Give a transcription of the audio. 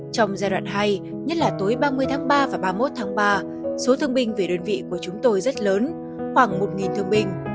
trong giai đoạn hai nhất là tối ba mươi tháng ba và ba mươi một tháng ba số thương binh về đơn vị của chúng tôi rất lớn khoảng một thương binh